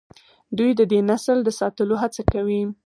دوی د دې نسل د ساتلو هڅه کوي.